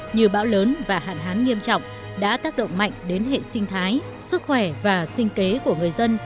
như bão lớn và hạn hán nghiêm trọng đã tác động mạnh đến hệ sinh thái sức khỏe và sinh kế của người dân